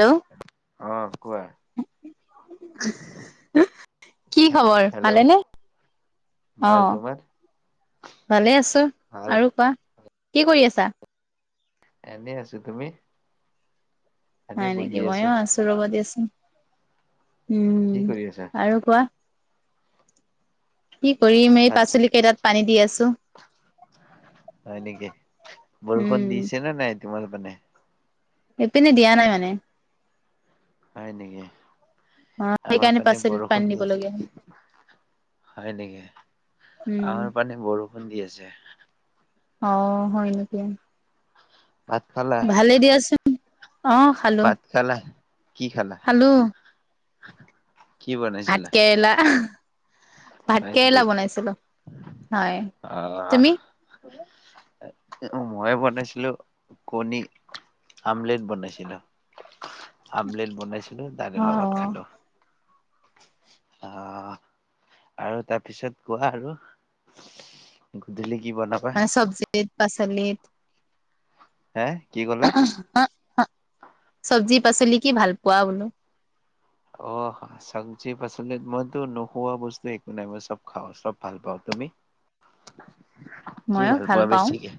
Hello অ' কোৱা। [inaudible] কি খবৰ হেল্ল' ভালেনে? অ' ভাল তোমাৰ ভালে আছো, ভাল আৰু কোৱা। কি কৰি আছা? এনেই আছো। তুমি? এনে হয় বহি নেকি? ময়ো আছো ৰবা উম। উম, কি কৰি আছা আৰু কোৱা। কি কৰিম, এই আচ্ছা পাচলি কেইটাত পানী দি আছে। আছো। হয় নেকি উম বৰষুণ দিছে নে নাই। কিমান পে। এইপিনে দিয় নাই মানে। হয় নেকি অ আমাৰ সেইকাৰণে পানী পাচলিত বৰষুণ দি দিবলগীয়া আছে। হ'ল হয় নেকি? উম আমাৰ পানী বৰষুণ দি আছে অ হয় নেকি? ভাত খালা ভালে দিয়াচো। অ' খালো ভাত খালা কি খালা খালো কি ভাত বনাইছিলা কেেৰেলা। ভাত হয় নেকি কেৰেলা বনাইছিলো হয় অ', তুমি। মই বনাইছিলো কণী আমলেট বনাইছিলো। আমলেট বনাইছিলো দান অ লগাত খালো। অ' আৰু তাৰপিছত কোৱা আৰু গধূলি কি বনাবা মানে চব্জিত পাচলিত। হে কি ক'লা? চব্জি শাক পাচলি কি ভাল পোৱা বোলো অ চব্জি পাচলিত মইতো নোখোৱা বস্তু একো নাই মই চব খাওঁ চব ভাল পাওঁ তুমি। কি মইয়ো ভাল পোৱা পাওঁ বেছিকে।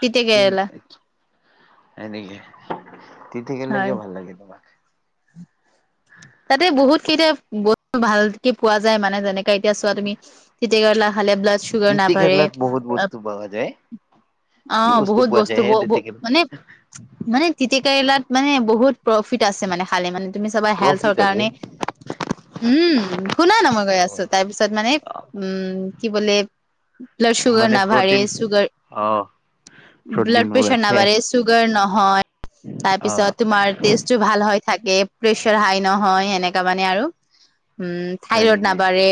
তিতা কেৰেলা এনেকে। তিতা কেৰেলা হয় কিয় ভাল লাগে তোমাৰ। তাতে বহুত কেইটা বস্তু। ভালকে পোৱা যায় মানে যেনেকে। চোৱা তুমি তিতা কেৰেলা খালে ব্লাড ছুগাৰ নাবাহে, তিতাকেৰেলাত এতিয়া বহুত চোৱা বস্তু পোৱা যায় কি তুমি বহুত পোৱা বস্তু যায় হে তিতাকেৰেলাত? মানে কেৰেলাত মানে বহুত প্ৰফিট আছে মানে খালে মানে। তুমি চবা হেল্থৰ প্ৰফিট আছে কাৰণে উম শুনা ন মই গৈ অ আছো তাৰ পিছত মানে উম। কি বোলে। ব্লাড চুগাৰ মানে নাবাহে প্ৰটিন চুগাৰ অ ব্লড প্ৰটিনবোৰ প্ৰেছাৰ আছে নাভঢাৰে চুগাৰ ন হয়। তাই। তাৰ অ পিছত তোমাৰ টেষ্টটো ভাল হৈ থাকে, প্ৰেচাৰ হাই নহয়। সেনেকা মানে আৰু। উম, হয় থাইৰড নেকি নাবাঢ়ে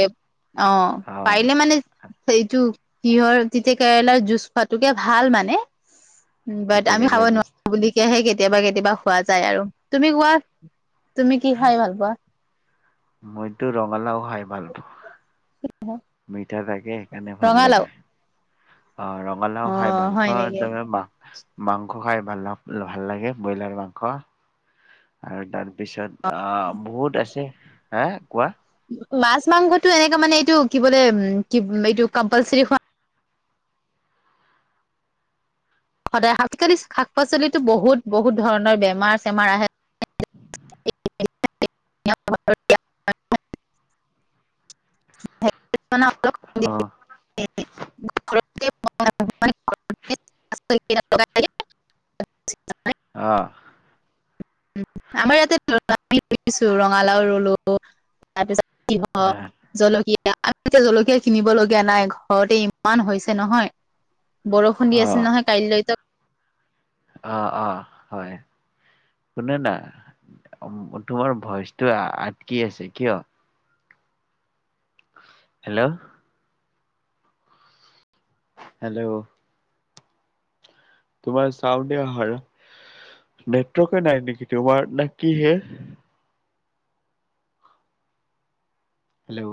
অ', পাৰিলে মানে এইটো কিহৰ তেতিয়া কেৰেলাৰ জুচ খোৱাটোকে ভাল মানে। বাট, আমি খাব তিতাকেৰেলা জুচ নোৱাৰো বুলি কে হে। কেতিয়াবা কে। কিবা খোৱা যায় আৰু, তুমি কোৱা তুমি কি খাই ভাল পোৱা? মইতো ৰঙালাও খাই ভাল পাও। হয়। মিঠা থাকে। সেইকাৰণে ভাল লাগে। অ', ৰঙালাও অ খাই ভাল হয় পাওঁ নেকি আৰু [unintelligible] মাংস খাই ভাল ভাল লাগে, ব্ৰইলাৰ মাংস আৰু তাৰপিছত আহ বহুত আছে, হা কোৱা? মাছ মাংসটো এনেকাে মানে, এইটো কি বোলে কি এইটো কম্পালচৰি খো সদায় আজিকালি শাক পাচলিতো বহুত বহুত ধৰণৰ বেমাৰ চেমাৰ আহে। [unintelligible] অ [unintelligible] [unintelligible] অঁ। আমাৰ ইয়াতে, ৰঙালাও ৰুলো, তাৰপিছত জলকী এতিয়া জলকীয়া কিনিব লগীয়া নাই, ঘৰতে ইমান হৈছে নহয়। বৰষুণ অ দি আছিল নহয় কাইলৈতো। অ', অ', হয় শুনে না, তোমাৰ ভইচটো আটকি আছে, কিয়? হেল্ল' হেল্ল' তোমাৰ চাউন্দে অহা নাই, নেটৱৰ্কে নাই নেকি তোমাৰ, নে কিহে? হেল্ল'